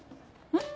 えっ？